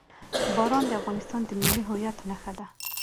باران د افغانستان د ملي هویت نښه ده.